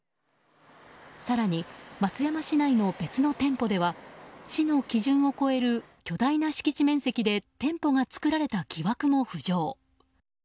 更に、松山市内の別の店舗では市の基準を超える巨大な敷地面積で店舗が作られた疑惑も浮上。